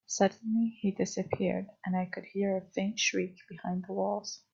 Suddenly, he disappeared, and I could hear a faint shriek behind the walls.